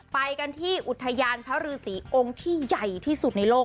ไปกันที่อุทยานพระฤษีองค์ที่ใหญ่ที่สุดในโลก